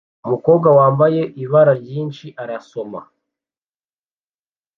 Umukobwa wambaye ibara ryinshi arasoma